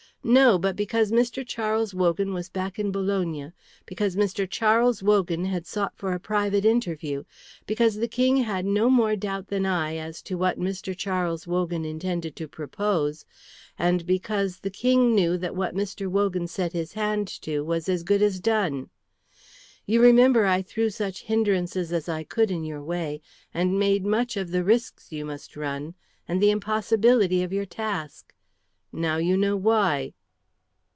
No, but because Mr. Charles Wogan was back in Bologna, because Mr. Charles Wogan had sought for a private interview, because the King had no more doubt than I as to what Mr. Charles Wogan intended to propose, and because the King knew that what Mr. Wogan set his hand to was as good as done. You remember I threw such hindrances as I could in your way, and made much of the risks you must run, and the impossibility of your task. Now you know why."